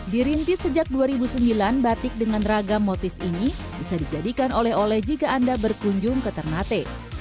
dirintis sejak dua ribu sembilan batik dengan ragam motif ini bisa dijadikan oleh oleh jika anda berkunjung ke ternate